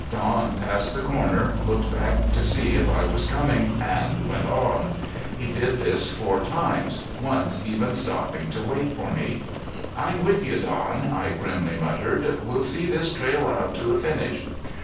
Don passed the corner, looked back to see if I was coming and went on. He did this four times, once even stopping to wait for me. "I'm with you Don!" I grimly muttered. "We'll see this trail out to a finish."